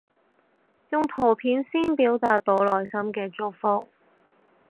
用圖片先表達到內心嘅祝福